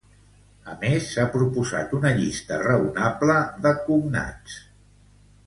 A més, s'ha proposat una llista raonable de cognats.